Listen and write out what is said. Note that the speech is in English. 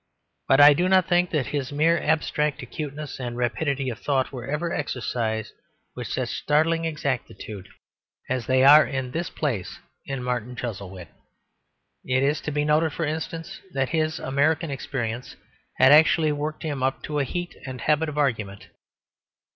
But I do not think that his mere abstract acuteness and rapidity of thought were ever exercised with such startling exactitude as they are in this place in Martin Chuzzlewit. It is to be noted, for instance, that his American experience had actually worked him up to a heat and habit of argument.